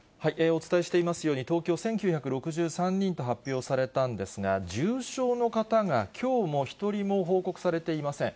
お伝えしていますように、東京１９６３人と発表されたんですが、重症の方がきょうも一人も報告されていません。